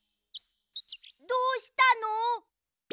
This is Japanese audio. どうしたの？